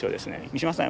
三島さん